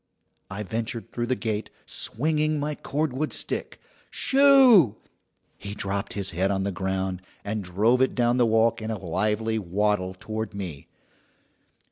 I ventured through the gate, swinging my cordwood stick. "Shoo!" He dropped his head on the ground, and drove it down the walk in a lively waddle toward me.